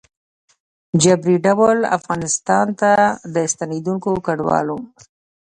ه جبري ډول افغانستان ته د ستنېدونکو کډوالو